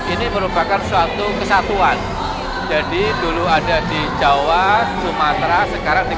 ini merupakan suatu kesatuan jadi dulu ada di jawa sumatera sekarang tiga